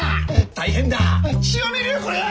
大変だ血を見るよこりゃ！